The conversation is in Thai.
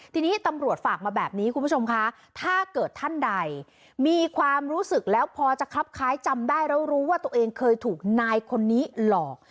ทีนี้ตำรวจฝากมาแบบนี้คุณผู้ชมคะถ้าเกิดท่านใดมีความรู้สึกแล้วพอจะคลับคล้ายจำได้แล้วรู้ว่าตัวเองเคยถูกนายคนนี้หลอก